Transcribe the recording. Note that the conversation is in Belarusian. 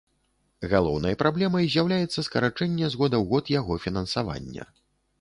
Галоўнай праблемай з'яўляецца скарачэнне з года ў год яго фінансавання.